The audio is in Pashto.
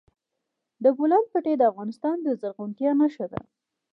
د بولان پټي د افغانستان د زرغونتیا نښه ده.